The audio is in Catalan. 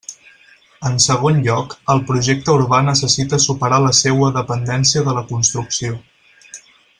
En segon lloc, el projecte urbà necessita superar la seua dependència de la construcció.